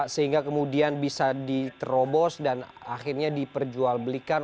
sehingga kemudian bisa diterobos dan akhirnya diperjualbelikan